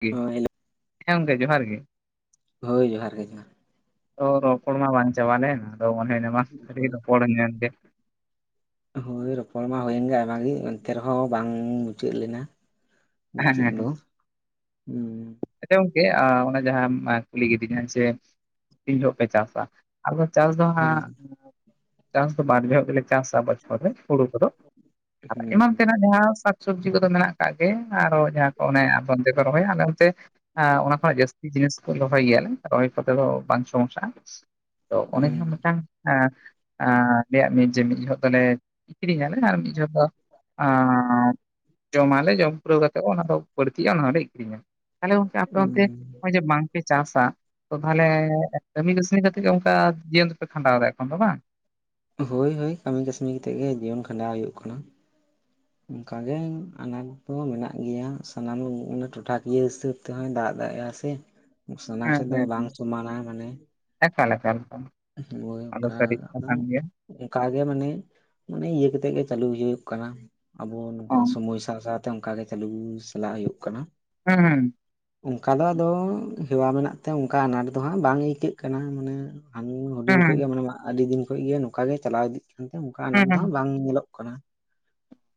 ᱜᱮ ᱦᱮ ᱦᱮᱞᱚ ᱦᱮᱸ ᱜᱚᱝᱠᱮ ᱡᱚᱦᱟᱨ ᱜᱮ ᱦᱳᱭ ᱡᱚᱦᱟᱨ ᱜᱮ ᱡᱚᱦᱟᱨ ᱛᱚ ᱨᱚᱯᱚᱲ ᱢᱟ ᱵᱟᱝ ᱪᱟᱵᱟ ᱞᱮᱱ ᱫᱚ ᱚᱱᱮ ᱚᱱᱟ ᱢᱟᱥ ᱠᱷᱟᱞᱤ ᱨᱚᱯᱚᱲ ᱮᱢ ᱧᱟᱢ ᱠᱮᱫ ᱦᱳᱭ ᱨᱚᱯᱚᱲ ᱢᱟ ᱦᱩᱭᱮᱱ ᱜᱮ ᱟᱭᱢᱟ ᱜᱮ ᱮᱱᱛᱮ ᱨᱮᱦᱚᱸ ᱵᱟᱝ ᱢᱩᱪᱟᱹᱫ ᱞᱮᱱᱟ ᱦᱮᱸ ᱢᱩᱪᱟᱹᱫ ᱦᱮᱸ ᱦᱮᱸ ᱫᱚ ᱦᱩᱸ ᱟᱪᱪᱷᱟ ᱜᱚᱝᱠᱮ ᱚᱱᱟ ᱡᱟᱦᱟᱸ ᱠᱩᱞᱤ ᱠᱤᱫᱤᱧᱟ ᱡᱮ ᱛᱤᱱ ᱡᱚᱦᱚᱜ ᱯᱮ ᱪᱟᱥᱟ ᱟᱫᱚ ᱪᱟᱥ ᱫᱚ ᱦᱳᱭ ᱦᱟᱸᱜ ᱪᱟᱥ ᱫᱚ ᱵᱟᱨ ᱡᱚᱦᱚᱜ ᱜᱮᱞᱮ ᱪᱟᱥᱟ ᱵᱚᱪᱷᱚᱨ ᱨᱮ ᱦᱩᱲᱩ ᱠᱚᱫᱚ ᱟᱨ ᱦᱩᱸ ᱮᱢᱟᱱ ᱛᱮᱱᱟᱜ ᱡᱟᱦᱟᱸ ᱥᱟᱠ ᱥᱚᱵᱽᱡᱤ ᱠᱚᱫᱚ ᱢᱮᱱᱟᱜ ᱠᱟᱫ ᱫᱚ ᱟᱨᱦᱚ ᱡᱟᱦᱟᱸ ᱠᱚ ᱚᱱᱮ ᱟᱫᱚᱢ ᱨᱚᱦᱚᱭᱟ ᱟᱫᱚ ᱚᱱᱛᱮ ᱚᱱᱟ ᱠᱷᱚᱱᱟᱜ ᱡᱟᱹᱥᱛᱤ ᱡᱤᱱᱤᱥ ᱨᱚᱦᱚᱭ ᱜᱮᱭᱟᱞᱮ ᱨᱚᱦᱚᱭ ᱠᱚᱛᱮ ᱫᱚ ᱵᱟᱝ ᱥᱚᱢᱚᱥᱥᱟᱼᱟ ᱛᱚ ᱩᱱᱤ ᱦᱩᱸ ᱡᱟᱦᱟᱸ ᱢᱤᱫᱴᱟᱝ ᱟᱨ ᱟᱞᱮᱭᱟᱜ ᱢᱤᱫ ᱡᱮ ᱢᱤᱫ ᱡᱚᱦᱚᱜ ᱫᱚᱞᱮ ᱠᱤᱨᱤᱧ ᱟᱞᱮ ᱟᱨ ᱢᱤᱫ ᱡᱚᱦᱚᱜ ᱟᱻ ᱡᱚᱢ ᱟᱞᱮ ᱡᱚᱢ ᱯᱟᱹᱲ ᱟᱛᱮᱜ ᱚᱱᱟ ᱫᱚ ᱵᱟᱹᱲᱛᱤᱜᱼᱟ ᱚᱱᱟ ᱫᱚ ᱤᱫᱤ ᱢᱮ ᱛᱟᱦᱞᱮ ᱜᱚᱝᱠᱮ ᱟᱯᱮ ᱦᱩᱸ ᱚᱱᱛᱮ ᱱᱚᱜᱼᱚᱭ ᱡᱮ ᱵᱟᱝ ᱯᱮ ᱪᱟᱥᱟ ᱛᱟᱦᱞᱮ ᱠᱟᱹᱢᱤ ᱠᱟᱹᱥᱱᱤ ᱠᱟᱛᱮᱜ ᱜᱮ ᱚᱱᱠᱟ ᱡᱤᱭᱚᱱ ᱫᱚᱯᱮ ᱠᱷᱟᱸᱰᱟᱣᱟ ᱮᱠᱷᱚᱱ ᱫᱚ ᱵᱟᱝ ᱦᱳᱭ ᱦᱳᱭ ᱠᱟᱹᱢᱤ ᱠᱟᱹᱥᱱ ᱠᱟᱛᱮᱫ ᱜᱮ ᱡᱤᱭᱚᱱ ᱠᱷᱟᱸᱰᱟᱣ ᱦᱩᱭᱩᱜ ᱠᱟᱱᱟ ᱚᱱᱠᱟᱜᱮ ᱟᱱᱟᱴ ᱫᱚ ᱢᱮᱱᱟᱜ ᱜᱮᱭᱟ ᱥᱟᱱᱟᱢᱮ ᱴᱚᱴᱷᱟᱠᱤᱭᱟᱹ ᱦᱤᱥᱟᱹᱵ ᱛᱮᱦᱚᱸ ᱫᱟ ᱫᱟᱜ ᱫᱟᱲᱮᱜᱼᱟ ᱥᱮ ᱥᱟᱱᱟᱢ ᱦᱮᱸ ᱥᱮᱫ ᱫᱚ ᱵᱟᱝ ᱥᱚᱢᱟᱱᱟ ᱢᱟᱱᱮ ᱛᱟᱦᱚᱞᱮ ᱞᱮᱠᱷᱟᱱ ᱦᱳᱭ ᱚᱱᱠᱟ ᱟᱫᱚ ᱜᱮᱭᱟ ᱚᱱᱠᱟ ᱜᱮ ᱢᱟᱱᱮ ᱢᱟᱱᱮ ᱤᱭᱟᱹ ᱠᱟᱛᱮᱜ ᱜᱮ ᱪᱟᱹᱞᱩᱭ ᱦᱩᱭᱩᱜ ᱟᱵᱚ ᱱᱚᱝᱠ ᱚ ᱦᱩᱸ ᱥᱚᱢᱚᱭ ᱥᱟᱶ ᱥᱟᱶᱛᱮ ᱚᱱᱠᱟ ᱜᱮ ᱪᱟᱹᱞᱩ ᱪᱟᱞᱟᱜ ᱦᱩᱭᱩᱜ ᱠᱟᱱᱟ ᱦᱩᱸ ᱚᱱᱠᱟ ᱫᱚ ᱟᱫᱚ ᱦᱮᱣᱟ ᱢᱮᱱᱟᱜ ᱛᱮ ᱚᱱᱠᱟ ᱟᱱᱟᱴ ᱫᱚ ᱦᱟᱸᱜ ᱵᱟᱝ ᱟᱹᱭᱠᱟᱹᱜ ᱠᱟᱱᱟ ᱢᱟᱱᱮ ᱦᱟᱱᱮ ᱦᱩᱰᱤᱧ ᱦᱩᱸ ᱠᱷᱚᱱᱚᱡ ᱜᱮ ᱢᱟᱱ ᱟᱹᱰᱤ ᱫᱤᱱ ᱦᱳᱭ ᱤᱭᱟ ᱱᱚᱝᱠᱟ ᱜᱮ ᱪᱟᱞᱟᱣ ᱤᱫᱤᱜ ᱠᱟᱱᱛᱮ ᱚᱱᱠᱟ ᱟᱱᱟ ᱦᱩᱸ ᱦᱩᱸ ᱫᱷᱟᱣ ᱵᱟᱝ ᱧᱮᱞᱚᱜ ᱠᱟᱱᱟ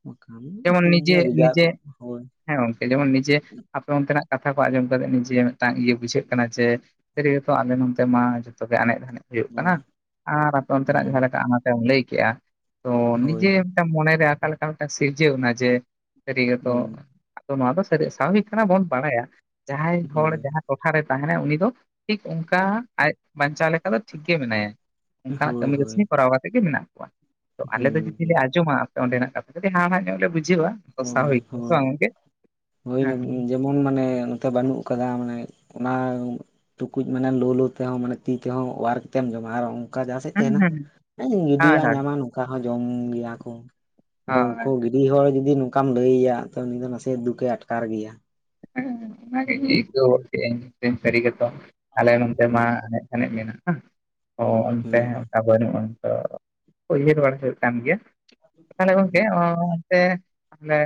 ᱵᱟᱠᱷᱟᱱ ᱡᱮᱢᱚᱱ ᱴᱷᱤᱠ ᱱᱤᱡᱮ ᱜᱮᱭᱟ ᱵᱷᱮᱡᱟ ᱱᱤᱡᱮ ᱦᱳᱭ ᱦᱮᱸ ᱜᱚᱝᱠᱮ ᱡᱮᱢᱚᱱ ᱱᱤᱡᱮ ᱟᱯᱮ ᱚᱱᱛᱮᱱᱟᱜ ᱠᱟᱛᱷᱟ ᱠᱚ ᱟᱸᱡᱚᱢ ᱱᱤᱡᱮ ᱢᱤᱫᱟᱝ ᱤᱭᱟᱹ ᱵᱩᱡᱷᱟᱹᱜ ᱠᱟᱱᱟ ᱡᱮ ᱥᱟᱨᱤ ᱠᱟᱛᱷᱟ ᱟᱢ ᱮᱢ ᱡᱚᱢ ᱟ ᱡᱷᱚᱛᱚ ᱜᱮ ᱟᱱᱮᱡ ᱫᱷᱟᱱᱮᱡ ᱦᱩᱭᱩᱜ ᱠᱟᱱᱟ ᱦᱳᱭ ᱟᱨ ᱟᱯᱮ ᱚᱱᱛᱮ ᱱᱟᱜ ᱦᱩᱸ ᱡᱟᱦᱟᱸ ᱞᱮᱠᱟ ᱚᱱᱟᱛᱮᱢ ᱞᱟᱹᱭ ᱠᱮᱫᱮᱜᱼᱟ ᱛᱚ ᱦᱳᱭ ᱱᱤᱡᱮ ᱢᱤᱫᱴᱟᱝ ᱢᱚᱱᱮ ᱨᱮ ᱟᱠᱟ ᱞᱮᱠᱟ ᱢᱤᱫᱴᱟᱝ ᱥᱤᱨᱡᱟᱹᱣ ᱮᱱᱟ ᱡᱮ ᱥᱟᱹᱨᱤ ᱜᱮᱛᱚ ᱦᱩᱸ ᱛᱚ ᱱᱚᱣᱟ ᱫᱚ ᱥᱟᱹᱨᱤ ᱥᱟᱵᱤᱠ ᱠᱟᱱᱟ ᱵᱚᱱ ᱵᱟᱲᱟᱭᱟ ᱡᱟᱦᱟᱸᱭ ᱦᱚᱲ ᱦᱳᱭ ᱡᱟᱦᱟᱸ ᱴᱚᱴᱷᱟᱨᱮ ᱛᱟᱦᱮᱱᱟᱭ ᱩᱱᱤ ᱫᱚ ᱴᱷᱤᱠ ᱚᱱᱠᱟ ᱟᱡ ᱵᱟᱧᱪᱟᱣ ᱞᱮᱠᱟ ᱫᱚ ᱴᱷᱤᱠ ᱜᱮ ᱢᱮᱱᱟᱭᱟ ᱚᱱᱠᱟᱱᱟᱜ ᱦᱳᱭ ᱠᱟᱹᱢᱤ ᱦᱳᱭ ᱠᱟᱹᱟᱹᱥᱱᱤ ᱠᱚᱨᱟᱣ ᱠᱟᱛᱮ ᱜᱮ ᱢᱮᱱᱟᱜᱼᱟ ᱛᱚ ᱦᱩᱸ ᱟᱞᱮ ᱡᱩᱫᱤ ᱞᱮ ᱦᱩᱸ ᱟᱸᱡᱚᱢᱟ ᱟᱯᱮ ᱚᱸᱰᱮᱱᱟᱜ ᱠᱟᱛᱷᱟ ᱛᱚᱵᱮ ᱱᱚᱣᱟ ᱢᱟ ᱧᱮᱞ ᱟᱜᱩᱭᱟ ᱫᱚᱥᱟ ᱦᱳᱭ ᱦᱩᱭᱩᱜ ᱠᱟᱱᱟ ᱥᱮ ᱦᱳᱭ ᱵᱟᱝ ᱜᱚᱢᱠᱮ ᱡᱮᱢᱚᱱ ᱢᱟᱱᱮ ᱱᱚᱛᱮ ᱵᱟᱹᱱᱩᱜ ᱠᱟᱫᱟ ᱢᱟᱱᱮ ᱚᱱᱟ ᱴᱩᱠᱩᱡ ᱢᱟᱱᱮ ᱞᱳ ᱞᱩ ᱛᱮᱦᱚᱸ ᱢᱟᱱᱮ ᱛᱤ ᱛᱮᱦᱚᱸ ᱚᱣᱟᱨ ᱠᱟᱛᱮᱢ ᱡᱚᱢᱟ ᱟᱨ ᱱᱚᱝᱠᱟ ᱦᱩᱸ ᱡᱟᱦᱟᱸ ᱦᱩᱸ [unintelligible] ᱦᱳᱭ ᱜᱤᱰᱣᱟᱜ ᱦᱳᱭ ᱧᱟᱢᱟ ᱱᱚᱝᱠᱟ ᱦᱚᱸ ᱡᱚᱢ ᱜᱮᱭᱟ ᱠᱚ ᱟᱫᱚ ᱦᱳᱭ ᱩᱱᱠᱩ ᱜᱤᱰᱤ ᱦᱚᱲ ᱡᱩᱫᱤ ᱱᱚᱝᱠᱟᱢ ᱞᱟᱹᱭ ᱟᱭᱟ ᱩᱱᱤ ᱫᱚ ᱱᱟᱥᱮ ᱫᱩᱠᱮ ᱟᱴᱠᱟᱨ ᱜᱮᱭᱟ ᱦᱮᱸ ᱟᱹᱭᱠᱟᱹᱣ ᱠᱮᱫᱟᱹᱧ ᱥᱟᱹᱨᱤ ᱜᱮᱛᱚ ᱟᱞᱮ ᱱᱰᱮ ᱦᱩᱸ ᱢᱟ ᱮᱱᱮᱡ ᱮᱟᱱᱮᱡ ᱢᱮᱱᱟᱜᱼᱟ ᱦᱮ ᱚ ᱚᱱᱛᱮ ᱦᱩᱸ ᱚᱱᱠᱟ ᱵᱟᱹᱱᱩᱜᱼᱟ ᱩᱭᱦᱟᱹᱨ ᱵᱟᱲᱟ ᱦᱩᱭᱩᱜ ᱠᱟᱱ ᱜᱮᱭᱟ ᱛᱟᱦᱚᱞᱮ ᱜᱚᱝᱠᱮ ᱚᱱᱛᱮ ᱟᱦᱞᱮ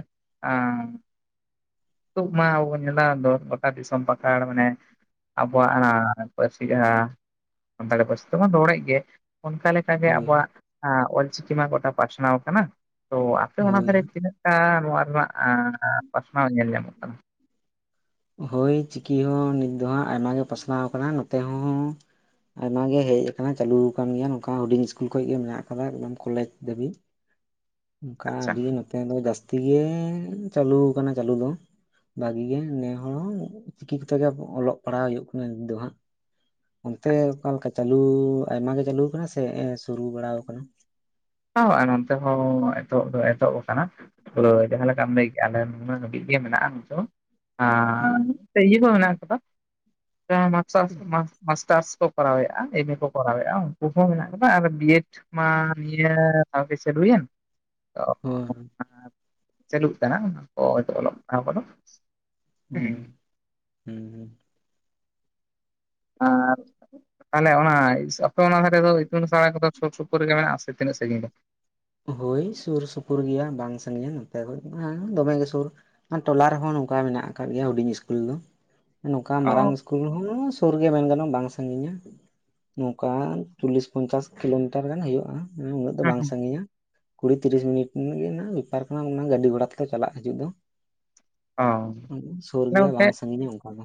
ᱢᱟ ᱟᱵᱚ ᱵᱚᱱ ᱧᱮᱞᱟ ᱫᱚ ᱜᱚᱴᱟ ᱫᱤᱥᱚᱢ ᱯᱟᱠᱟᱲ ᱢᱟᱱᱮ ᱟᱵᱚᱣᱟᱜ ᱯᱟᱹᱨᱥᱤ ᱥᱟᱱᱛᱟᱲᱤ ᱯᱟᱹᱨᱥᱤ ᱛᱮᱵᱚᱱ ᱨᱚᱲᱮᱜ ᱜᱮ ᱚᱱᱠᱟ ᱞᱮᱠᱟᱜᱮ ᱦᱳᱭ ᱟᱵᱚᱣᱟᱜ ᱚᱞᱪᱤᱠᱤ ᱢᱟ ᱜᱚᱴᱟ ᱯᱟᱥᱱᱟᱣ ᱠᱟᱱᱟ ᱛᱚ ᱟᱯᱮ ᱚᱱᱟ ᱦᱳᱭ ᱫᱷᱟᱨᱮ ᱛᱤᱱᱟᱹᱜ ᱜᱟᱱ ᱱᱚᱣᱟ ᱨᱮᱱᱟᱜ ᱯᱟᱥᱱᱟᱣ ᱧᱮᱞ ᱧᱟᱢᱚᱜ ᱠᱟᱱᱟ ᱦᱳᱭ ᱪᱤᱠᱤ ᱦᱚᱸ ᱱᱤᱛ ᱫᱚᱦᱟᱸᱜ ᱟᱭᱢᱟ ᱜᱮ ᱯᱟᱥᱱᱟᱣ ᱠᱟᱱᱟ ᱱᱚᱛᱮ ᱦᱚᱸ ᱟᱭᱢᱟ ᱜᱮ ᱦᱮᱡ ᱟᱠᱟᱱᱟ ᱪᱟᱹᱞᱩ ᱟᱠᱟᱱ ᱜᱮᱭᱟ ᱱᱚᱝᱠᱟ ᱦᱩᱰᱤᱧ ᱥᱠᱩᱞ ᱠᱷᱚᱱ ᱜᱮ ᱢᱮᱱᱟᱜ ᱟᱠᱟᱫᱟ ᱮᱠ ᱠᱚᱞᱮᱡ ᱫᱷᱟᱹᱵᱤᱡ [inaudible] ᱚᱱᱠᱟ ᱟᱹᱰᱤ ᱱᱚᱛᱮ ᱫᱚ ᱡᱟᱹᱥᱛᱤ ᱛᱤ ᱜᱮ ᱪᱟᱹᱞᱩ ᱟᱠᱟᱱᱟ ᱪᱟᱹᱞᱩ ᱫᱚ ᱵᱷᱟᱜᱤ ᱜᱮ ᱪᱤᱠᱤ ᱛᱮᱜᱮ ᱚᱞᱚᱜ ᱯᱟᱲᱦᱟᱜ ᱦᱩᱭᱩᱜ ᱠᱟᱱᱟ ᱱᱤᱫ ᱫᱚ ᱦᱟᱸᱜ ᱚᱱᱛᱮ ᱚᱠᱟᱠᱟ ᱪᱟᱹᱞᱩ ᱟᱭᱢᱟᱜᱮ ᱪᱟᱹᱞᱩ ᱠᱟᱱᱟ ᱥᱮ ᱥᱩᱨᱩ ᱵᱟᱲᱟ ᱠᱟᱱᱟ ᱦᱳᱭ ᱱᱚᱱᱛᱮ ᱦᱚᱸ ᱮᱛᱚᱦ ᱫᱚ ᱮᱛᱚᱦᱚᱵ ᱟᱠᱟᱱᱟ ᱯᱩᱨᱟᱹ ᱡᱟᱦᱟᱸ ᱞᱮᱠᱟᱢ ᱞᱟᱹᱭ ᱠᱮᱫᱮᱜᱼᱟ ᱟᱹᱵᱤᱡ ᱜᱮ ᱢᱮᱱᱟᱜᱼᱟ ᱦᱩᱸ ᱱᱤᱛ ᱤᱭᱟᱹ ᱠᱚ ᱢᱮᱱᱟᱜ ᱠᱟᱫᱟ ᱢᱟᱠᱥ ᱢᱟᱥ ᱠᱚᱨᱟᱣᱮᱫᱼᱟ ᱮᱢᱮ ᱠᱚ ᱠᱚᱨᱟᱣᱮᱫᱼᱟ ᱩᱱᱠᱩ ᱦᱚᱸ ᱢᱮᱱᱟᱜ ᱠᱟᱫᱟ ᱟᱨ ᱵᱤᱭᱮᱰ ᱢᱟ ᱱᱤᱭᱟᱹ ᱛᱟ ᱯᱮ ᱪᱟᱞᱩ ᱮᱱ ᱦᱳᱭ ᱪᱟᱹᱞᱩᱜ ᱠᱟᱱᱟ ᱚᱱᱟ ᱠᱚ ᱚᱞᱚᱜ ᱟᱵᱚᱫᱟ ᱦᱩᱸ ᱦᱮᱸ ᱟᱨ ᱛᱟᱦᱚᱞᱮ ᱚᱱᱟ ᱟᱯᱮ ᱚᱱᱟ ᱫᱷᱟᱨᱮᱫᱚ ᱤᱛᱩᱱ ᱟᱥᱲᱟ ᱠᱚᱫᱚ ᱥᱩᱨ ᱥᱩᱯᱩᱨ ᱨᱮᱜᱮ ᱢᱮᱱᱟᱜᱼᱟ ᱥᱮ ᱛᱤᱱᱟᱹᱜ ᱥᱟᱺᱜᱤᱧ ᱨᱮ ᱥᱟᱹᱜᱤᱧᱟ ᱱᱚᱛᱮ ᱠᱷᱚᱱ ᱫᱚᱢᱮ ᱜᱮ ᱥᱩᱨ ᱴᱚᱞᱟ ᱨᱮᱦᱚᱸ ᱱᱚᱝᱠᱟ ᱢᱮᱱᱟᱜ ᱠᱫ ᱜᱮᱭᱟ ᱦᱩᱰᱤᱧ ᱤᱥᱠᱩᱞ ᱫᱚ ᱱᱚᱝᱠᱟ ᱢᱟᱨᱟᱝ ᱚ ᱥᱠᱩᱞ ᱦᱚᱸ ᱥᱩᱨ ᱜᱮ ᱢᱮᱱ ᱜᱟᱱᱚᱜᱼᱟ ᱵᱟᱝ ᱥᱟᱜᱤᱧᱟ ᱱᱚᱝᱠᱟ ᱪᱚᱞᱞᱤᱥ ᱯᱚᱧᱪᱟᱥ ᱠᱤᱞᱳᱢᱤᱴᱟᱨ ᱜᱟᱱ ᱦᱩᱭᱩᱜᱼᱟ ᱦᱮᱸ ᱩᱱᱟᱹᱜ ᱫᱚ ᱵᱟᱝ ᱥᱟᱺᱜᱤᱧᱟ ᱠᱩᱲᱤ ᱛᱤᱨᱤᱥ ᱢᱤᱱᱤᱴ ᱜᱮ ᱵᱮᱯᱟᱨ ᱠᱟᱱᱟ ᱜᱟᱹᱰᱤ ᱜᱷᱚᱲᱟ ᱛᱮᱞᱮ ᱪᱟᱞᱟᱜ ᱦᱤᱡᱩᱜ ᱫᱚ ᱚ ᱛᱟᱦᱚᱞᱮ ᱥᱩᱨ ᱜᱮᱭᱟ ᱜᱚᱝᱠᱮ ᱵᱟᱝ ᱥᱟᱺᱜᱤᱧᱟ ᱚᱱᱠᱟ ᱫᱚ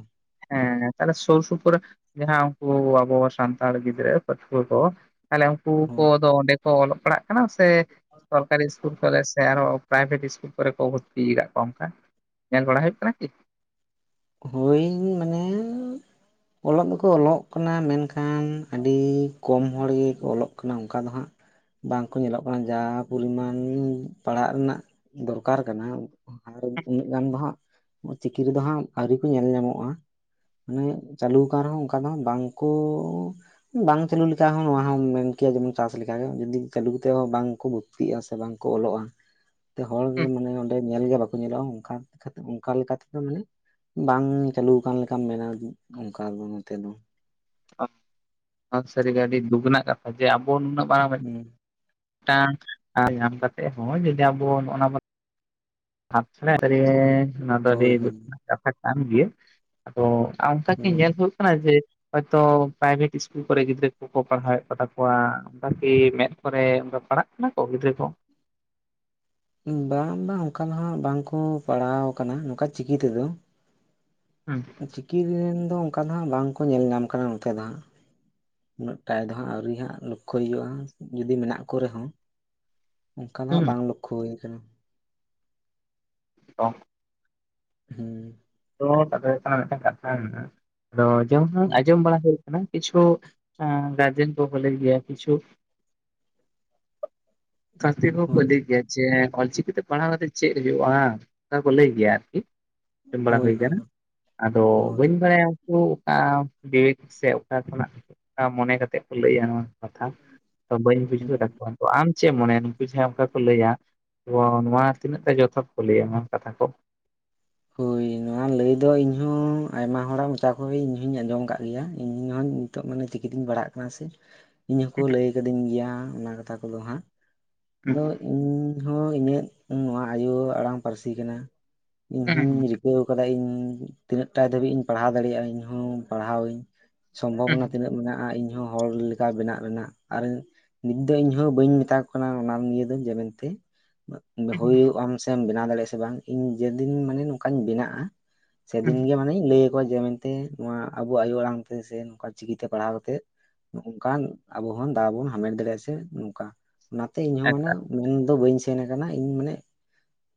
ᱦᱮᱸ ᱛᱟᱦᱚᱞᱮ ᱥᱩᱨ ᱥᱩᱯᱩᱨ ᱡᱟᱦᱟᱸ ᱦᱩ ᱟᱵᱚ ᱥᱟᱱᱛᱟᱲ ᱜᱤᱫᱽᱨᱟᱹ ᱠᱟ ᱯᱟᱹᱴᱷᱩᱭᱟᱹ ᱠᱚ ᱛᱟᱦᱞᱮ ᱩᱱᱠᱩ ᱠᱚᱫᱚ ᱚᱹᱰᱮ ᱚᱞᱚᱜ ᱯᱟᱲᱦᱟᱜ ᱥᱮ ᱥᱚᱨᱠᱟᱨᱤ ᱥᱠᱩᱞ ᱠᱚᱨᱮ ᱥᱮ ᱟᱨᱚ ᱯᱨᱟᱭᱵᱷᱮᱴ ᱥᱠᱩᱞ ᱠᱚᱨᱮ ᱠᱚ ᱵᱷᱚᱨᱛᱤ ᱟᱠᱟᱫ ᱠᱚᱣᱟ ᱚᱱᱠᱟ ᱧᱮᱞ ᱵᱟᱲᱟ ᱦᱩᱭᱩᱜ ᱠᱟᱱᱟ ᱠᱤ ᱦᱳᱭ ᱢᱟᱱᱮ [inaudible] ᱚᱞᱚᱜ ᱫᱚᱠᱚ ᱚᱞᱚᱜ ᱠᱟᱱᱟ ᱢᱮᱱᱠᱷᱟᱱ ᱟᱹᱰᱤ ᱠᱚᱢ ᱦᱚᱲ ᱜᱮᱠᱚ ᱚᱞᱚᱜ ᱠᱟᱱᱟ ᱚᱱᱠᱟ ᱫᱚ ᱦᱟᱸᱜ ᱵᱟᱝᱠᱚ ᱧᱮᱞᱚᱜ ᱠᱟᱱᱟ ᱡᱟ ᱯᱚᱨᱤᱢᱟᱱ ᱯᱟᱲᱟᱜ ᱨᱮᱱᱟᱜ ᱫᱚᱨᱠᱟᱨ ᱠᱟᱱᱟ ᱩᱱᱟᱹᱜ ᱜᱟᱱ ᱫᱚ ᱦᱟᱸᱜ ᱪᱤᱠᱤ ᱨᱮᱫᱚ ᱦᱟᱸᱜ ᱟᱹᱣᱨᱤ ᱠᱚ ᱧᱮᱞ ᱧᱟᱢᱚᱜᱼᱟ ᱢᱟᱱᱮ ᱪᱟᱹᱞᱩ ᱟᱠᱟᱱ ᱨᱮᱦᱚᱸ ᱚᱱᱠᱟ ᱫᱚ ᱵᱟᱝᱠᱚ ᱵᱟᱝ ᱪᱟᱹᱞᱩ ᱞᱮᱠᱷᱟ ᱦᱚᱸ ᱱᱚᱣᱟ ᱦᱚᱸ ᱠᱮᱭᱟ ᱡᱮᱢᱚᱱ ᱪᱟᱥ ᱞᱮᱠᱟᱜᱮ ᱡᱩᱫᱤ ᱪᱟᱹᱞᱩ ᱠᱟᱛᱮᱫ ᱦᱚᱸ ᱵᱟᱝ ᱠᱚ ᱵᱷᱚᱛᱛᱤᱜᱼᱟ ᱥᱮ ᱵᱟᱝᱠᱚ ᱚᱞᱚᱜᱼᱟ ᱦᱚᱲ ᱢᱟᱱᱮ ᱚᱸᱰᱮ ᱧᱮᱞᱜᱮ ᱵᱟᱝᱠᱚ ᱧᱮᱞᱚᱜᱼᱟ ᱚᱱᱠᱟ ᱚᱱᱠᱟ ᱞᱮᱠᱟ ᱛᱮᱫᱚ ᱢᱟᱱᱮ ᱵᱟᱝ ᱪᱟᱹᱞᱩ ᱟᱠᱟᱱ ᱞᱮᱠᱟᱢ ᱢᱮᱱᱟ ᱚᱱᱠᱟ ᱫᱚ ᱱᱚᱛᱮ ᱫᱚ ᱥᱟᱹᱨᱤ ᱜᱮ ᱟᱹᱰᱤ ᱫᱩᱠ ᱨᱮᱱᱟᱜ ᱠᱟᱛᱷᱟ ᱡᱮ ᱟᱵᱚ ᱱᱩᱱᱟᱹᱜ ᱵᱟᱝ ᱦᱩᱸ ᱢᱤᱫᱴᱟᱱ ᱧᱟᱢ ᱠᱟᱛᱮᱫ ᱦᱚᱸ ᱡᱩᱫᱤ ᱟᱵᱚ ᱱᱚᱜᱼ ᱱᱟ ᱟᱪᱪᱷᱟ ᱱᱚᱣᱟ ᱫᱚ ᱟᱹᱰᱤ ᱦᱳᱭ ᱫᱩᱠ ᱦᱳᱭ ᱨᱮᱱᱟᱜ ᱠᱟᱛᱷᱟ ᱠᱟᱱ ᱜᱮᱭᱟ ᱟᱫᱚ ᱟᱢᱠᱟ [unintelligible] ᱧᱮᱞ ᱦᱩᱸ ᱦᱩᱭᱩᱜ ᱠᱟᱱᱟ ᱡᱮ ᱦᱚᱭᱛᱳ ᱯᱨᱟᱭᱵᱷᱮᱴ ᱤᱥᱠᱩᱞ ᱠᱚᱨᱮ ᱜᱤᱫᱽᱨᱟᱹ ᱠᱚᱠᱚ ᱯᱟᱲᱦᱟᱣᱮᱫ ᱠᱚᱛᱟ ᱠᱚᱣᱟ ᱚᱱᱠᱟ ᱠᱤ ᱢᱮᱫ ᱠᱚᱨᱮ ᱚᱱᱟ ᱯᱟᱲᱦᱟᱜ ᱠᱟᱱᱟ ᱠᱚ ᱜᱤᱫᱽᱨᱟᱹ ᱠᱚ ᱵᱟᱝ ᱵᱟᱝ ᱚᱱᱠᱟ ᱫᱚ ᱦᱟᱜ ᱵᱟᱝᱠᱚ ᱯᱟᱲᱦᱟᱣ ᱠᱟᱱᱟ ᱱᱚᱝᱠᱟ ᱪᱤᱠᱤ ᱛᱮᱫᱚ᱾ ᱦᱩᱸ ᱪᱤᱠᱤ ᱨᱮᱱ ᱫᱚ ᱚᱱᱠᱟ ᱫᱚᱦᱟᱸᱜ ᱵᱟᱝᱠᱚ ᱧᱮᱞ ᱧᱟᱢ ᱠᱟᱱᱟ ᱱᱚᱛᱮ ᱫᱚ ᱦᱟᱸᱜ ᱩᱱᱟᱹᱜ ᱴᱟᱭ ᱫᱚᱦᱟᱸᱜ ᱟᱹᱣᱨᱤ ᱦᱟᱸᱜ ᱞᱚᱠᱠᱷᱚᱭ ᱦᱩᱭᱩᱜᱼᱟ ᱡᱚᱫᱤ ᱢᱮᱱᱟᱜ ᱠᱚ ᱨᱮᱦᱚᱸ᱾ ᱚᱱᱠᱟᱱᱟᱜ ᱦᱩᱸ ᱵᱟᱝ ᱞᱚᱠᱠᱷᱚ ᱦᱩᱭ ᱟᱠᱟᱱᱟ ᱚ ᱦᱮᱸ ᱢᱤᱫᱴᱟᱝ ᱠᱟᱛᱷᱟ ᱢᱮᱱᱟᱜᱼᱟ ᱟᱫᱚ ᱡᱮ ᱟᱸᱡᱚᱢ ᱵᱟᱲᱟ ᱦᱩᱭᱩᱜ ᱠᱤᱪᱷᱩ ᱜᱟᱨᱡᱮᱱ ᱠᱚ ᱠᱚᱞᱤ ᱜᱮᱭᱟ ᱠᱤᱪᱷᱩ ᱦᱳᱭ [unintelligible] ᱚᱞᱪᱤᱠᱤᱛᱮ ᱯᱟᱲᱦᱟᱣ ᱠᱟᱛᱮᱫ ᱪᱮᱫ ᱦᱩᱭᱩᱜᱼᱟ ᱚᱱᱠᱟ ᱠᱚ ᱞᱟᱹᱭ ᱜᱮᱭᱟ ᱟᱨᱠᱤ ᱵᱟᱲᱟ ᱦᱳᱭ ᱦᱩᱭ ᱦᱳᱭ ᱟᱠᱟᱱᱟ ᱟᱫᱚ ᱦᱳᱭ ᱵᱟᱹᱧ ᱵᱟᱲᱟᱭᱟ ᱚᱠᱟ [unintelligible] ᱥᱮ ᱚᱠᱟ ᱠᱷᱚᱱᱟᱜ ᱢᱚᱱᱮ ᱠᱟᱛᱮᱫ ᱠᱚ ᱞᱟᱹᱭᱟ ᱱᱚᱣᱟ ᱠᱟᱛᱷᱟ ᱛᱚ ᱵᱟᱹᱧ ᱵᱩᱡᱷᱟᱹᱣ ᱦᱩᱸ ᱛᱟᱠᱚᱣᱟ ᱩᱱᱠᱚᱣᱟ ᱟᱢ ᱪᱮᱫ ᱢᱚᱱᱮᱭᱟ ᱱᱩᱠᱩ ᱡᱟᱦᱟᱸ ᱚᱱᱠᱟ ᱠᱚ ᱞᱟᱹᱭᱟ ᱚ ᱱᱚᱣᱟ ᱛᱤᱱᱟᱹᱜ ᱴᱟᱜ ᱡᱚᱛᱷᱟᱛ ᱠᱚ ᱞᱟᱹᱭᱟ ᱱᱚᱣᱟ ᱠᱟᱛᱷᱟ ᱠᱚ ᱚᱱᱟ ᱞᱟᱹᱭ ᱫᱚ ᱤᱧ ᱦᱚᱸ ᱟᱭᱢᱟ ᱦᱚᱲᱟᱜ ᱢᱚᱪᱟ ᱠᱷᱚᱱᱜᱮ ᱤᱧ ᱦᱚᱸᱧ ᱟᱸᱡᱚᱢ ᱟᱠᱟᱫ ᱜᱮᱭᱟ ᱤᱧ ᱦᱚᱸᱧ ᱱᱤᱛᱚᱜ ᱢᱟᱱᱮ ᱪᱤᱠᱤ ᱛᱮᱜᱮ [unintelligible] ᱠᱟᱱᱟ ᱥᱮ ᱤᱧ ᱦᱚᱸᱠᱚ ᱞᱟᱹᱭ ᱟᱠᱟᱫᱤᱧ ᱜᱮᱭᱟ ᱚᱱᱟ ᱠᱟᱛᱷᱟ ᱠᱚᱫᱚ ᱦᱟᱸᱜ ᱟᱫᱚ ᱤᱧ ᱦᱚᱸ ᱤᱧᱟᱹᱜ ᱱᱚᱣᱟ ᱟᱭᱳ ᱟᱲᱟᱝ ᱯᱟᱹᱨᱥᱤ ᱠᱟᱱᱟ ᱤᱧᱦᱚᱧ ᱨᱤᱠᱟᱹ ᱟᱠᱟᱱᱟ ᱤᱧ ᱛᱤᱱᱟᱹᱜ ᱴᱟ ᱫᱟᱹᱵᱤᱡ ᱤᱧ ᱯᱟᱲᱦᱟᱣ ᱫᱟᱲᱮᱭᱟᱜᱼᱟ ᱤᱧᱦᱚᱧ ᱯᱟᱲᱦᱟᱣ ᱟᱹᱧ ᱥᱚᱢᱵᱷᱚᱵᱚᱱᱟ ᱛᱤᱱᱟᱹᱜ ᱢᱮᱱᱟᱜᱼᱟ ᱤᱧ ᱤᱧᱦᱚ ᱦᱚᱲ ᱞᱮᱠᱟ ᱵᱮᱱᱟᱜ ᱵᱮᱱᱟᱜ ᱟᱨ ᱱᱤᱛ ᱫᱚ ᱤᱧᱦᱚ ᱵᱟᱹᱧ ᱢᱮᱛᱟ ᱠᱚ ᱠᱟᱱᱟ ᱚᱱᱟ ᱱᱤᱭᱟᱹ ᱫᱚ ᱡᱮ ᱢᱮᱱᱛᱮ [inaudible] ᱦᱳᱭᱳᱜ ᱟᱢ ᱥᱮᱢ ᱵᱮᱱᱟᱣ ᱫᱟᱲᱮᱭᱟᱜ ᱟ ᱥᱮ ᱵᱟᱝ ᱤᱧ ᱡᱮᱫᱤᱱ ᱢᱟᱱᱮ ᱱᱚᱝᱠᱟᱧ ᱵᱮᱱᱟᱜᱼᱟ ᱥᱮᱫᱤᱱ ᱜᱮ ᱢᱟᱱᱮᱧ ᱞᱟᱹᱭ ᱡᱮ ᱢᱮᱱᱛᱮ ᱱᱚᱣᱟ ᱟᱵᱚ ᱟᱭᱳ ᱟᱲᱟᱝ ᱛᱮ ᱥᱮ ᱱᱚᱝᱠᱟ ᱪᱤᱠᱤᱛᱮ ᱯᱟᱲᱦᱟᱣ ᱠᱟᱛᱮ ᱱᱚ ᱱᱚᱝᱠᱟ ᱟᱵᱚ ᱦᱚᱸ ᱫᱟᱣ ᱵᱚᱱ ᱦᱟᱢᱮᱴ ᱫᱟᱲᱮᱭᱟᱜᱼᱟ ᱥᱮ ᱱᱚᱝᱠᱟ ᱚᱱᱟᱛᱮ ᱤᱧᱦᱚᱸ ᱢᱟᱱᱮ ᱮᱠᱟᱞ ᱢᱮᱱᱫᱚ ᱵᱟᱹᱧ ᱥᱮᱱ ᱟᱠᱟᱱᱟ ᱤᱧ ᱢᱟᱱᱮ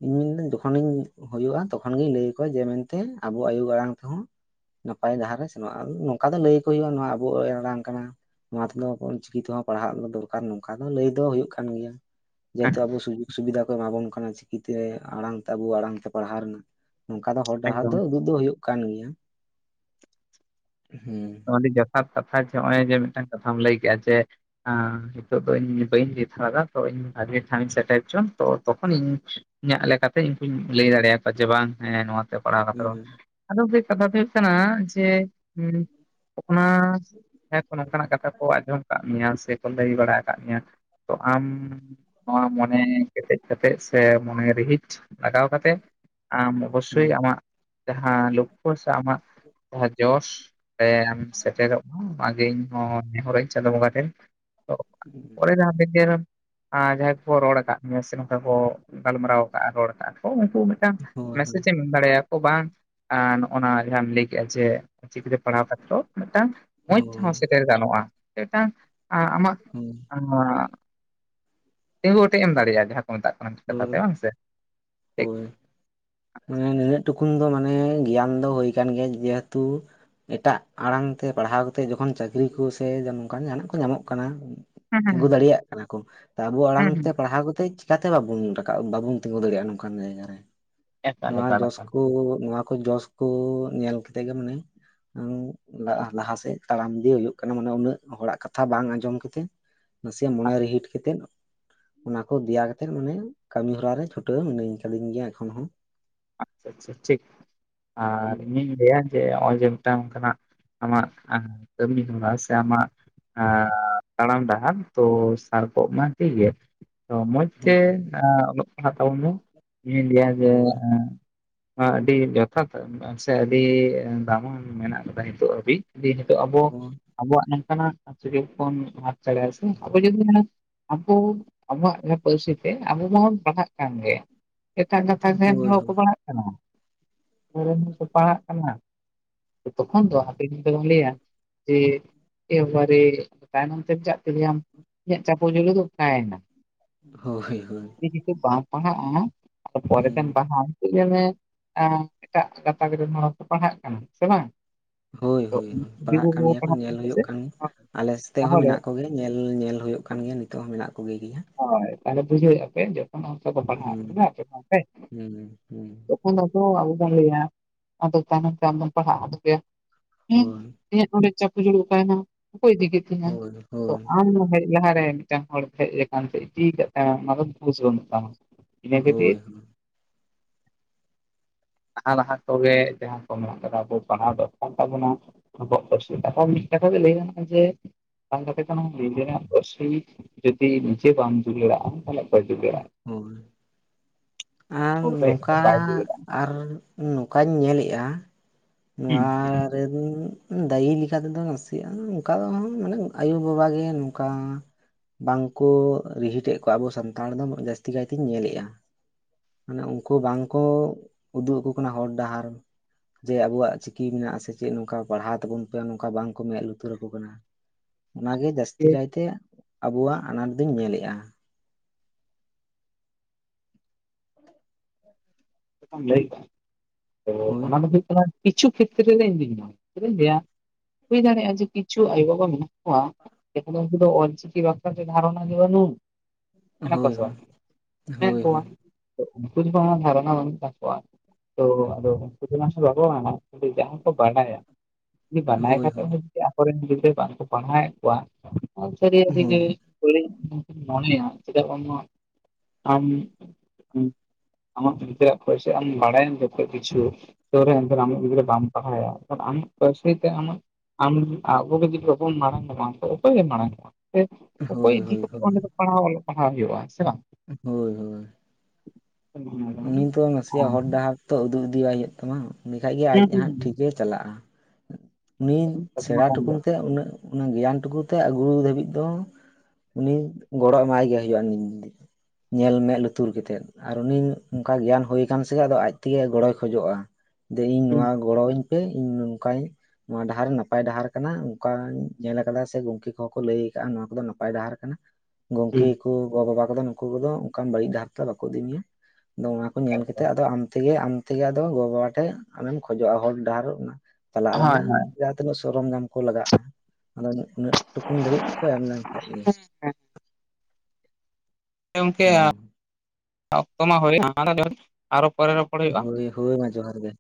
ᱤᱧ ᱢᱮᱱᱟᱹ ᱡᱚᱠᱷᱚᱱᱤᱧ ᱦᱩᱭᱩᱜᱼᱟ ᱛᱚᱠᱷᱚᱱ ᱜᱤᱧ ᱞᱟᱹᱭ ᱟᱠᱚᱣᱟ ᱡᱮ ᱢᱮᱱᱛᱮ ᱟᱵᱚᱣᱟᱜ ᱟᱭᱳ ᱟᱲᱟᱝ ᱛᱮᱦᱚᱸ ᱱᱟᱯᱟᱭ ᱡᱟᱦᱟᱸ ᱨᱮᱭ ᱥᱮᱱᱚᱜᱼᱟ ᱱᱚᱝᱠᱟ ᱫᱚ ᱞᱟᱹᱭ ᱦᱩᱭᱩᱜᱼᱟ ᱱᱚᱣᱟ ᱟᱵᱚ ᱟᱲᱟᱝ ᱠᱟᱱᱟ ᱱᱚᱣᱟ ᱛᱮᱫᱚ ᱚᱞᱪᱤᱠᱤ ᱛᱮᱦᱚᱸ ᱯᱟᱲᱦᱟᱜ ᱫᱚ ᱫᱚᱨᱠᱟᱨ ᱱᱚᱝᱠᱟ ᱫᱚ ᱞᱟᱹᱭ ᱫᱚ ᱦᱩᱭᱩᱜ ᱠᱟᱱ ᱜᱮᱭᱟ᱾ ᱡᱮᱦᱮᱛᱩ ᱟᱵᱚ ᱥᱩᱡᱳᱜᱽ ᱥᱩᱵᱤᱫᱷᱟ ᱠᱚ ᱮᱢᱟ ᱵᱚᱱ ᱠᱟᱱᱟ ᱪᱤᱠᱤᱛᱮ ᱟᱲᱟᱝ ᱛᱮ ᱟᱵᱚ ᱟᱲᱟᱝ ᱛᱮ ᱯᱟᱲᱦᱟᱣ ᱨᱮᱱᱟᱜ ᱱᱚᱝᱠᱟ ᱫᱚ ᱦᱚᱨ ᱰᱟᱦᱟᱨ ᱮᱠᱫᱚᱢ ᱫᱚ ᱩᱫᱩᱜ ᱫᱚ ᱦᱩᱭᱩᱜ ᱠᱟᱱ ᱜᱮᱭᱟ᱾ ᱦᱮᱸ ᱟᱹᱰᱤ ᱡᱚᱛᱷᱟᱛ ᱠᱟᱛᱷᱟ ᱡᱮ ᱱᱚᱜᱼᱚᱭ [unintelligible] ᱡᱮ ᱢᱤᱫᱴᱟᱝ ᱠᱟᱛᱷᱟ ᱞᱟᱹᱭ ᱠᱮᱫᱼᱟ ᱡᱮ ᱱᱤᱛᱚᱜ ᱫᱚ ᱤᱧ ᱵᱟᱹᱧ ᱞᱟᱹᱭ ᱫᱷᱟᱨᱟ ᱛᱚ ᱤᱧ ᱟᱨ ᱢᱤᱫ ᱴᱷᱟᱣᱤᱧ ᱥᱮᱴᱮᱨ ᱦᱚᱪᱚ ᱛᱚᱠᱷᱚᱱ ᱤᱧ ᱤᱧᱟᱹᱜ ᱞᱮᱠᱟᱛᱮ ᱤᱧᱠᱩᱧ ᱞᱟᱹᱭ ᱫᱟᱲᱮᱭᱟᱠᱚᱣᱟ ᱡᱮ ᱵᱟᱝ ᱦᱮᱸ ᱱᱚᱣᱟ ᱯᱟᱲᱦᱟᱣ ᱦᱟᱛᱟᱲᱚᱜ ᱦᱮᱸ ᱟᱭ ᱟᱫᱚ ᱢᱤᱫᱴᱮᱡ ᱠᱟᱛᱷᱟ ᱫᱚ ᱦᱩᱭᱩᱜ ᱠᱟᱱᱟ ᱡᱮ ᱦᱩ ᱦᱮᱸ ᱠᱚ ᱱᱚᱝᱠᱟᱱᱟᱜ ᱠᱟᱛᱷᱟ ᱠᱚ ᱟᱸᱡᱚᱢ ᱟᱠᱟᱫ ᱢᱮᱭᱟ ᱥᱮᱠᱚ ᱞᱟᱹᱭ ᱵᱟᱲᱟ ᱟᱠᱟᱫ ᱢᱮᱭᱟ ᱛᱚ ᱟᱢ ᱱᱚᱣᱟ ᱢᱚᱱᱮ ᱠᱮᱴᱮᱡ ᱠᱟᱛᱮᱜ ᱥᱮ ᱢᱚᱱᱮ ᱨᱤᱦᱤᱡ ᱞᱟᱜᱟᱣ ᱠᱟᱛᱮᱫ ᱟᱢ ᱦᱮᱸ ᱚᱵᱚᱥᱥᱳᱭ ᱟᱢᱟᱜ ᱡᱟᱦᱟᱸ ᱞᱚᱠᱠᱷᱚ ᱥᱮ ᱟᱢᱟᱜ ᱡᱟᱦᱟᱸ ᱡᱚᱥ [unintelligible] ᱥᱮᱴᱮᱨᱚᱜ ᱢᱟ ᱚᱱᱟᱜᱮ ᱤᱧᱦᱚ ᱱᱮᱦᱚᱨᱚᱜ ᱟᱹᱧ ᱪᱟᱸᱫᱳ ᱵᱚᱸᱜᱟ ᱴᱷᱮᱱ ᱚᱫ [unintelligible] ᱟᱨ ᱡᱟᱦᱟᱸᱭ ᱠᱚᱠᱚ ᱨᱚᱲ ᱟᱠᱟᱫ ᱢᱮᱭᱟ ᱥᱮ ᱱᱚᱝᱠᱟ ᱠᱚ ᱜᱟᱞᱢᱟᱨᱟᱣ ᱠᱟᱜᱼᱟ ᱨᱚᱲ ᱠᱟᱜᱼᱟ ᱠᱚ ᱢᱤᱫᱴᱟᱝ ᱦᱳᱭ ᱦᱳᱭ ᱦᱳᱭ ᱢᱮᱥ ᱮᱢ ᱮᱢ ᱫᱟᱲᱮᱼᱟᱠᱚ ᱵᱟᱝ ᱟᱨ ᱱᱚ-ᱚᱜᱱᱟᱜ ᱡᱟᱦᱟᱸᱢ ᱞᱟᱹᱭ ᱠᱮᱫᱼᱟ ᱡᱮ ᱪᱤᱠᱤᱛᱮ᱾ ᱯᱟᱲᱦᱟᱣ ᱠᱟᱛᱮᱛᱮᱫ ᱢᱤᱫᱴᱟᱝ ᱢᱚᱡᱽ ᱛᱮᱦᱚᱸ ᱥᱮᱴᱮᱨ ᱜᱟᱱᱚᱜᱼᱟ ᱢᱤᱫᱴᱟᱝ ᱟᱢᱟᱜ ᱦᱳᱭ ᱟ ᱛᱤᱸᱜᱩ ᱚᱴᱮᱡ ᱮᱢ ᱫᱟᱲᱮᱭᱟᱜᱼᱟ ᱡᱟᱦᱟᱸ ᱠᱚ ᱢᱮᱛᱟᱜ ᱠᱟᱱᱟ ᱠᱟᱛᱷᱟ ᱦᱳᱭ ᱛᱮ ᱵᱟᱝ ᱥᱮ ᱦᱳᱭ ᱢᱟᱱᱮ ᱱᱩᱱᱟᱹᱜ ᱴᱩᱠᱩᱱ ᱫᱚ ᱢᱟᱱᱮ ᱜᱮᱭᱟᱱ ᱫᱚ ᱦᱩᱭ ᱠᱟᱱ ᱜᱮᱭᱟ ᱡᱮᱦᱮᱛᱩ ᱮᱴᱟᱜ ᱟᱲᱟᱝ ᱛᱮ ᱯᱟᱲᱦᱟᱣ ᱠᱟᱛᱮᱫ ᱡᱚᱠᱷᱚᱱ ᱪᱟᱹᱠᱨᱤ ᱠᱚ ᱥᱮ ᱱᱚᱝ ᱠᱟᱱ ᱡᱟᱦᱟ ᱱᱟᱜ ᱠᱚ ᱧᱟᱢᱚᱜ ᱠᱟᱱᱟ ᱦᱩᱸ ᱛᱤᱸᱜᱩ ᱫᱟᱲᱮᱭᱟᱜ ᱠᱟᱱᱟ ᱠᱚ ᱟᱵᱚ ᱟᱲᱟᱝ ᱦᱩᱸ ᱦᱩᱸ ᱛᱮ ᱯᱟᱲᱦᱟᱣ ᱠᱟᱛᱮᱫ ᱪᱮᱠᱟᱛᱮ ᱵᱟᱵᱚᱱ ᱨᱟᱠᱟᱵ ᱵᱟᱵᱚᱱ ᱛᱤᱸᱜᱩ ᱫᱟᱲᱮᱭᱟᱜᱼᱟ ᱱᱚᱝᱠᱟᱱ ᱡᱟᱭᱜᱟ ᱨᱮ ᱮᱠᱟᱞ ᱱᱚᱣᱟ ᱮᱠᱟᱞ ᱡᱚᱥ ᱮᱠᱟᱞ ᱠᱚ ᱟᱪᱪᱷᱟ ᱱᱚᱣᱟ ᱠᱚ ᱡᱚᱥ ᱠᱚ ᱧᱮᱞ ᱠᱟᱛᱮᱫ ᱜᱮ ᱢᱟᱱᱮ ᱞᱟᱦᱟᱥᱮᱫ ᱛᱟᱲᱟᱢ ᱤᱫᱤ ᱦᱩᱭᱩᱜ ᱠᱟᱱᱟ ᱢᱟᱱᱮ ᱩᱱᱟᱹᱜ ᱦᱚᱲᱟᱜ ᱠᱟᱛᱷᱟ ᱵᱟᱝ ᱟᱸᱡᱚᱢ ᱠᱟᱛᱮᱜ ᱱᱟᱥᱮᱭᱟᱜ ᱢᱚᱱᱮ ᱨᱤᱦᱤᱴ ᱠᱟᱛᱮᱫ ᱚᱱᱟ ᱠᱚ ᱫᱮᱭᱟ ᱠᱟᱛᱮᱫ ᱢᱟᱱᱮ ᱠᱟᱹᱢᱤ ᱦᱚᱨᱟᱨᱮ ᱪᱷᱩᱴᱟᱹᱣ ᱢᱤᱱᱟᱹᱧ ᱠᱟᱫᱤᱧ ᱜᱮᱭᱟ ᱮᱠᱷᱚᱱ ᱦᱚᱸ ᱟᱪᱪᱷᱟ ᱟᱪᱪᱷᱟ ᱴᱷᱤᱠ ᱟᱨ ᱤᱧᱤᱧ ᱞᱟᱹᱭᱟ ᱡᱮ ᱱᱚᱜᱼᱚᱭ ᱡᱮ ᱢᱤᱫᱴᱟᱱ ᱚᱱᱠᱟᱱᱟᱜ ᱟᱢᱟᱜ ᱠᱟᱹᱢᱤ ᱦᱚᱨᱟ ᱥᱮ ᱟᱢᱟᱜ ᱟᱻ ᱛᱟᱲᱟᱢ ᱰᱟᱦᱟᱨ ᱛᱚ ᱥᱟᱨ ᱠᱚᱜ ᱢᱟ ᱴᱷᱤᱠ ᱜᱮᱮᱭᱟ ᱛᱚ ᱢᱚᱡᱽ ᱦᱩᱸ ᱛᱮ ᱟᱸ ᱚᱞᱚᱜ ᱯᱟᱲᱦᱟᱜ ᱛᱟᱵᱚᱱ ᱢᱮ ᱤᱧᱤᱧ ᱞᱟᱹᱭᱟ ᱡᱮ ᱦᱳᱭ ᱟᱹᱰᱤ ᱡᱚᱛᱷᱟᱛ ᱥᱮ ᱟᱹᱰᱤ ᱫᱟᱢᱟᱱ ᱢᱮᱱᱟᱜ ᱠᱟᱫᱟ ᱱᱤᱛᱳᱜ ᱦᱟᱹᱵᱤᱡ ᱡᱮ ᱱᱤᱛᱚᱜ ᱟᱵᱚ ᱦᱳᱭ ᱟᱵᱚᱣᱟᱜ ᱱᱚᱝᱠᱟᱱᱟᱜ ᱥᱩᱡᱳᱜ ᱵᱚᱱ ᱦᱟᱫ ᱫᱟᱲᱮᱭᱟᱜ ᱥᱮ ᱟᱵᱚ ᱡᱚᱫᱤ ᱵᱚ ᱢᱮᱱᱟ ᱟᱵᱚ ᱟᱵᱚᱣᱟᱜ ᱡᱟᱦᱟᱸ ᱯᱟᱹᱨᱥᱤ ᱛᱮ ᱟᱵᱚ ᱢᱟᱵᱚᱱ ᱯᱟᱲᱦᱟᱜ ᱠᱟᱱ ᱜᱮ ᱮᱴᱟᱜ ᱜᱟᱛᱟᱠ ᱨᱮᱱ ᱦᱳᱭ ᱦᱚᱸᱠᱚ ᱯᱟᱲᱦᱟᱜ ᱠᱟᱱᱟ ᱨᱮᱱ ᱦᱚᱸᱠᱚ ᱯᱟᱲᱦᱟᱜ ᱠᱟᱱᱟ ᱛᱚᱠᱷᱚᱱ ᱫᱚ ᱦᱟᱯᱮᱱ ᱫᱤᱱ ᱞᱟᱹᱭᱟ ᱡᱮ ᱮᱵᱟᱨᱮ ᱛᱟᱭᱱᱚᱢ ᱪᱪᱟᱜ ᱠᱮᱫᱜᱮᱭᱟᱢ ᱤᱧᱟᱹᱜ ᱪᱟᱯᱚ ᱡᱩᱲᱩ ᱫᱚ ᱚᱠᱟᱭᱮᱱᱟ ᱦᱳᱭ ᱦᱳᱭ ᱟᱸᱦᱚ ᱟᱸᱦᱚ ᱟᱨ ᱯᱚᱨᱮ ᱛᱮᱢ ᱯᱟᱲᱦᱟᱜ -ᱟ ᱠᱤ ᱧᱮᱞ ᱢᱮ ᱟᱸ ᱮᱴᱟᱜ ᱜᱟᱛᱟᱠ ᱨᱮᱱ ᱦᱚᱲᱠᱚ ᱯᱟᱲᱦᱟᱜ ᱠᱟᱱᱟ ᱥᱮ ᱵᱟᱝ ᱦᱳᱭ ᱛᱚ ᱦᱳ ᱩᱱᱠᱩ ᱯᱟᱲᱦᱟᱜ ᱫᱤᱠᱩ ᱠᱟᱱ ᱠᱚᱠᱚ ᱜᱮᱭᱟ ᱠᱚ ᱯᱟᱲᱦᱟᱜ ᱠᱟᱱᱟ ᱧᱮᱞ ᱦᱩᱭᱩᱜ ᱥᱮ ᱠᱟᱱ ᱜᱮᱭᱟ ᱟᱞᱮ ᱥᱛᱮᱜ ᱦᱚᱸ ᱛᱟᱦᱚᱞᱮ ᱢᱮᱱᱟᱜ ᱠᱚᱜᱮᱭᱟ ᱧᱮᱞ ᱧᱮᱞ ᱦᱩᱭᱩᱜ ᱠᱟᱱ ᱜᱮᱭᱟ ᱱᱤᱛᱚᱜ ᱦᱚᱸ ᱢᱮᱱᱟᱜ ᱠᱚᱜᱮ ᱜᱮᱭᱟ ᱦᱳᱭ ᱛᱟᱦᱚᱞᱮ ᱵᱩᱡᱷᱟᱹᱣᱮᱫᱼᱟ ᱯᱮ ᱡᱚᱠᱷᱚᱱ ᱚᱥᱚ ᱵᱟᱯ ᱦᱩᱸ ᱟᱮᱮ ᱦᱩᱸ ᱦᱩᱸ ᱛᱚᱠᱷᱚᱱᱚ [unintelligible] ᱞᱭᱟ ᱟᱫᱚ ᱛᱟᱭᱚᱢ ᱛᱮ ᱫᱚᱢ ᱯᱟᱲᱦᱟᱜ ᱥᱮ ᱦᱮᱸ ᱦᱳᱭ ᱤᱧᱟᱹᱜ ᱱᱚᱸᱰᱮ ᱪᱟᱠᱚ ᱡᱩᱲᱩ ᱚᱠᱟᱭᱮᱱᱟ ᱚᱠᱚᱭ ᱤᱫᱤ ᱠᱮᱫ ᱛᱤᱧᱟ ᱦᱳᱭ ᱛᱚ ᱦᱳᱭ ᱟᱢ ᱦᱮᱡ ᱞᱟᱦᱟᱨᱮ ᱢᱤᱫᱴᱟᱝ ᱦᱚᱲ ᱦᱮᱡ ᱟᱠᱟᱱ ᱪᱤᱠᱟᱹ ᱛᱟᱭᱚᱢ ᱚᱱᱟ ᱫᱚ ᱵᱩᱡᱷᱟᱹᱣ ᱦᱩᱭᱩᱜ ᱛᱟᱢᱟ ᱤᱱᱟᱹ ᱦᱳᱭ ᱠᱷᱟᱹᱛᱤᱨ ᱦᱳᱭ [inaudible] ᱞᱟᱦᱟ ᱞᱟᱦᱟ ᱠᱚᱜᱮ ᱡᱟᱦᱟᱸ ᱠᱚ ᱢᱮᱱᱟᱜ ᱠᱟᱫᱟ ᱯᱟᱲᱦᱟᱜ ᱫᱚ ᱠᱚᱢᱚᱜ ᱛᱟᱵᱚᱱᱟ ᱟᱵᱚᱣᱟᱜ ᱯᱟᱹᱨᱥᱤ ᱠᱚᱢ ᱜᱮ ᱛᱟᱦᱮᱱ ᱞᱟᱹᱭᱮ ᱜᱟᱱᱚᱜ-ᱟ ᱡᱮ ᱵᱟᱝ ᱠᱟᱮᱫ ᱱᱮᱦᱟ ᱱᱤᱡᱮᱨᱟᱜ ᱯᱟᱹᱨᱥᱤ ᱡᱩᱫᱤ ᱱᱤᱡᱮ ᱵᱟᱢ ᱡᱩᱩᱞᱟᱲᱟᱜᱼᱟ ᱛᱟᱦᱚᱞᱮ ᱚᱠᱚᱭ ᱫᱩᱞᱟᱹᱲᱟᱜᱼᱟ ᱦᱳ ᱟᱨ ᱦᱚᱲ ᱫᱚ ᱦᱮᱡ ᱠᱟᱛᱮ ᱱᱚᱝᱠᱟ ᱵᱟᱭ ᱫᱩᱞᱟᱹᱲᱟᱜᱼᱟ ᱟᱨ ᱱᱚᱝᱠᱟ ᱧᱮᱞᱮᱜᱼᱟ ᱦᱩᱸ ᱱᱚᱣᱟ ᱨᱮᱱ ᱫᱟᱹᱭᱤ ᱞᱮᱠᱟ ᱛᱮᱫᱚ ᱱᱟᱥᱮᱭᱟᱜᱼᱟ ᱚᱱᱠᱟ ᱢᱟᱱᱮ ᱟᱭᱩᱼᱵᱟᱵᱟᱜ ᱜᱮ ᱱᱚᱝᱠᱟ ᱵᱟᱝ ᱠᱚ ᱨᱤᱦᱤᱴ ᱮᱫ ᱠᱚᱣᱟ ᱟᱵᱚ ᱥᱟᱱᱛᱟᱲ ᱫᱚ ᱡᱟᱹᱥᱛᱤ ᱠᱟᱭᱛᱤᱧ ᱧᱮᱞᱮᱫᱼᱟ ᱢᱟᱱᱮ ᱩᱱᱠᱩ ᱵᱟᱝ ᱠᱚ ᱩᱫᱩᱜ ᱟᱠᱚ ᱠᱟᱱᱟ ᱦᱚᱨ ᱰᱟᱦᱟᱨ ᱡᱮ ᱟᱵᱚᱣᱟᱜ ᱪᱤᱠᱤ ᱢᱮᱱᱟᱜ ᱟᱥᱮ ᱪᱮᱫ ᱱᱚᱝ ᱠᱟ ᱯᱟᱲᱦᱟᱣ ᱛᱟᱵᱚᱱ ᱯᱮ ᱱᱚᱝ ᱠᱟ ᱵᱟᱝ ᱠᱚ ᱢᱮᱸᱫ ᱞᱩᱛᱩᱨ ᱟᱠᱚ ᱠᱟᱱᱟ ᱚᱱᱟ ᱜᱮ ᱡᱟᱹᱥᱛᱤ ᱡᱮ ᱠᱟᱭᱛᱮ ᱟᱵᱚᱣᱟᱜ ᱟᱱᱟᱴ ᱫᱩᱧ ᱧᱮᱞᱮᱜᱼᱟ ᱦ [inaudible] ᱢ ᱞᱟᱹᱭᱮᱫᱼᱟ ᱛᱚ ᱦᱳᱭ ᱚᱱᱟ ᱞᱟᱜᱤᱫ ᱠᱟᱱᱟ ᱠᱤᱪᱷᱩ ᱠᱷᱮᱛᱨᱮ ᱨᱮᱮ ᱤᱧᱫᱩᱧ ᱪᱮᱫᱤᱧ ᱞᱟᱹᱭᱟ ᱦᱩᱭ ᱫᱟᱲᱮᱭᱟᱜᱼᱟ ᱡᱮ ᱠᱤᱪᱷᱩ ᱟᱭᱳ ᱵᱟᱵᱟ ᱢᱮᱱᱟᱜ ᱠᱚᱣᱟ ᱩᱱᱠᱩ ᱫᱚ ᱚᱞᱪᱤᱠᱤ ᱵᱮᱵᱷᱟᱨᱟᱱ ᱫᱷᱟᱨᱚ ᱜᱮ ᱵᱟᱹᱱᱩᱜᱼᱟ ᱢᱮᱱᱟᱠᱚ ᱦᱳᱭ ᱥᱮ ᱵᱟᱝ ᱦᱳᱭ ᱦᱳᱭ ᱦᱳᱭ ᱢᱮᱱᱟᱠᱚ ᱩᱱᱠᱩ ᱡᱩᱫᱤ ᱫᱷᱟᱨᱟᱹᱱᱟ ᱵᱟᱱᱩᱜ ᱣᱟ ᱛᱚ ᱟᱫᱚ ᱠᱪ ᱢᱟᱥᱮ ᱵᱟᱵ ᱵᱟᱝ [unintelligible] ᱡᱟᱦᱟᱸ ᱠᱚ ᱵᱟᱰᱟᱭᱟ ᱡᱮ ᱵᱟᱰᱟᱭ ᱦᱳᱭ ᱦᱳᱭ ᱠᱟᱛᱮ ᱦᱚᱸ ᱡᱩᱫᱤ ᱟᱠᱚᱨᱮᱱ ᱜᱮ ᱵᱟᱝ ᱠᱚ ᱯᱟᱲᱦᱟᱣᱮᱫ ᱠᱚᱣᱟ ᱥᱟᱹᱨᱤᱜ ᱦᱳᱭ ᱤᱧ ᱢᱚᱱᱮᱭᱟ ᱪᱮᱫᱟᱜ ᱟᱢ ᱟᱢᱟᱜ ᱜᱤᱫᱽᱨ ᱯᱚᱭᱥ ᱟᱢ ᱵᱟᱲᱟᱭᱟᱢ ᱡᱚᱛᱚ ᱠᱤᱪᱷᱩ ᱛᱮ ᱮᱱᱠᱷᱟᱱ ᱟᱢ ᱜᱤᱫᱽᱨᱟᱹ ᱵᱟᱢ ᱯᱟᱲᱦᱟᱭᱟ ᱮᱱ ᱟᱢᱟᱜ ᱯᱚᱭ ᱟᱢᱟᱜ ᱟᱢ ᱟᱵᱚᱮ ᱡᱩᱫᱤ ᱵᱟᱵᱚᱱ ᱢᱟᱲᱟᱝᱟ ᱵᱟᱝ ᱚᱠᱚᱭᱮ ᱢᱟᱲᱟᱝᱚᱜᱼᱟ ᱥᱮ ᱚᱠᱚᱭ ᱦᱳᱭ ᱤᱫᱤ ᱦᱳᱭ ᱠᱟᱛᱮ ᱚᱸᱰᱮ ᱫᱚ ᱯᱟᱲᱦᱟᱣ ᱚᱞᱚᱜ ᱯᱟᱲᱦᱟᱣ ᱦᱩᱭᱩᱜᱼᱟ ᱥᱮ ᱵᱟᱝ ᱦᱳᱭ ᱦᱳᱭ ᱩᱱᱤ ᱻ ᱛᱚ ᱱᱟᱥᱮᱭᱟᱜ ᱦᱚᱨ ᱰᱟᱦᱟᱨ ᱛᱚ ᱩᱫᱩᱜ ᱩᱫᱤᱟᱭ ᱦᱩᱭᱩᱜ ᱛᱟᱢᱟ ᱮᱸᱰᱮᱠᱷᱟᱱᱜ ᱜᱮ ᱟᱡ ᱦᱳᱭ ᱦᱟᱸᱜ ᱴᱷᱤᱠᱮ ᱪᱟᱞᱟᱜᱼᱟ ᱩᱱᱤ ᱥᱮᱬᱟ ᱴᱩᱠᱩ ᱛᱮ ᱩᱱᱤ ᱜᱮᱭᱟᱱ ᱴᱩᱠᱩ ᱛᱮ ᱟᱹᱜᱩ ᱫᱷᱟᱹᱵᱤᱡ ᱫᱚ ᱩᱱᱤ ᱜᱚᱲᱚ ᱮᱢᱟᱭ ᱜᱮ ᱦᱩᱭᱳᱜᱼᱟ ᱧᱮᱞ ᱢᱮᱫ ᱞᱩᱛᱩᱨ ᱠᱟᱛᱮᱜ ᱟᱨ ᱩᱱᱤ ᱚᱱᱠᱟ ᱜᱮᱭᱟᱱ ᱦᱩᱭ ᱟᱠᱟᱱ ᱥᱮ ᱟᱫᱚ ᱟᱡ ᱛᱮᱜᱮ ᱜᱚᱲᱚᱭ ᱠᱷᱚᱡᱚᱜᱼᱟ ᱡᱮ ᱤᱧ ᱱᱚᱣᱟ ᱜᱚᱲᱚᱧ ᱯᱮ ᱤᱧ ᱱᱚᱝᱠᱟᱧ ᱱᱚᱣᱟ ᱰᱟᱦᱟᱨ ᱱᱟᱯᱟᱭ ᱰᱟᱦᱟᱨ ᱠᱟᱱᱟ ᱚᱱᱠᱟᱧ ᱧᱮᱞ ᱠᱟᱫᱟ ᱥᱮ ᱜᱚᱢᱠᱮ ᱠᱚᱦᱚᱸ ᱠᱚ ᱞᱟᱹᱭ ᱟᱠᱟᱫᱟᱼᱟ ᱱᱚᱣᱟ ᱠᱚᱫᱚ ᱱᱟᱯᱟᱭ ᱰᱟᱦᱟᱨ ᱠᱟᱱᱟ ᱜᱚᱝᱠᱮ ᱠᱚ ᱜᱚᱵᱟᱵᱟ ᱠᱚᱫᱚ ᱱᱩᱠᱩ ᱠᱚᱫᱚ ᱚᱱᱠᱟᱱ ᱵᱟᱹᱲᱤᱡ ᱰᱟᱦᱟᱨ ᱫᱚᱚ ᱵᱟᱠᱚ ᱤᱫᱤ ᱢᱮᱭᱟ ᱟᱫᱚ ᱚᱱᱟ ᱠᱚ ᱧᱮᱞ ᱠᱟᱛᱮᱫ ᱟᱫᱚ ᱟᱢᱛᱮᱜᱮ ᱟᱢᱛᱮᱜᱮ ᱟᱫᱚ ᱜᱚ ᱵᱟᱵᱟ ᱴᱷᱮᱡ ᱟᱢᱮᱢ ᱠᱷᱚᱡᱚᱜᱼᱟ ᱦᱚᱨ ᱰᱟᱦᱟᱨᱚᱜ ᱚᱱᱟ ᱪᱟᱞᱟᱜ ᱦᱳᱭ ᱨᱮᱱᱟᱜ ᱡᱟᱦᱟᱸ ᱛᱤᱱᱟᱹᱜ ᱥᱚᱨᱚᱧᱡᱟᱢ ᱠᱚ ᱞᱟᱜᱟᱜᱼᱟ ᱟᱫᱚ ᱩᱱᱟᱹᱜ ᱴᱩᱠᱩᱢ ᱫᱷᱟᱹᱵᱤᱡ ᱠᱚ ᱮᱢ ᱞᱮᱱᱠᱷᱟᱱ ᱜᱮ ᱦᱮᱸ ᱜᱚᱝᱠᱮ ᱚᱠᱛᱚ ᱢᱟ ᱦᱩᱭ ᱮᱱᱟ ᱦᱳᱭ ᱦᱳᱭ ᱢᱟ ᱡᱚᱦᱟᱨ ᱜᱮ